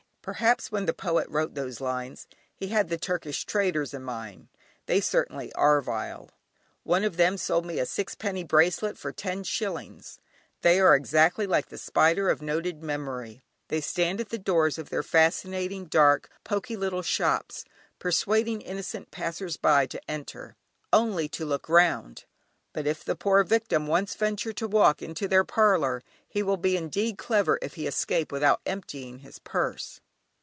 Perhaps, when the poet wrote those lines, he had the Turkish traders in his mind: they certainly are vile. One of them sold me a sixpenny bracelet for ten shillings. They are exactly like the spider of noted memory; they stand at the doors of their fascinating, dark, poky little shops, persuading innocent passers by to enter, "only to look round;" but if the poor victim once venture to "walk into their parlour," he will be indeed clever if he escape without emptying his purse.